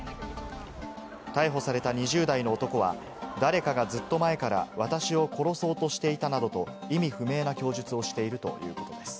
逮捕された２０代の男は、誰かがずっと前から私を殺そうとしていたなどと意味不明な供述をしているということです。